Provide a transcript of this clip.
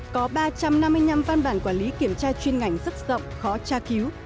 có ba trăm năm mươi năm văn bản quản lý kiểm tra chuyên ngành rất rộng khó tra cứu